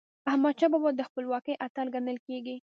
احمدشاه بابا د خپلواکی اتل ګڼل کېږي.